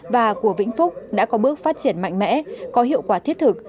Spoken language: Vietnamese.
và của vĩnh phúc đã có bước phát triển mạnh mẽ có hiệu quả thiết thực